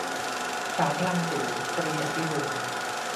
สาวพลังสูง - ตรี อภิรุม